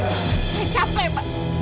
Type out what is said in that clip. saya capek pak